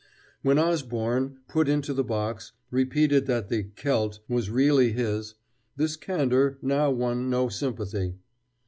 When Osborne, put into the box, repeated that the "celt" was really his, this candor now won no sympathy.